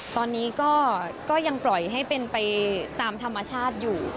ตอนนี้ก็ยังปล่อยให้เป็นไปตามธรรมชาติอยู่